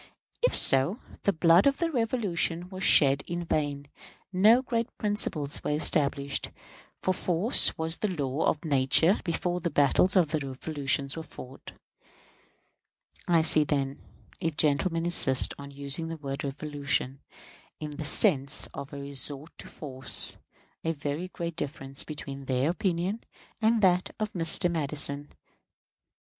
If so, the blood of the Revolution was shed in vain; no great principles were established; for force was the law of nature before the battles of the Revolution were fought. I see, then if gentlemen insist on using the word "revolution" in the sense of a resort to force a very great difference between their opinion and that of Mr. Madison. Mr.